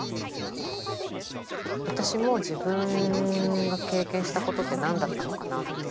私も自分が経験したことって何だったのかなって